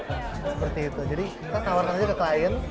seperti itu jadi kita tawarkan aja ke klien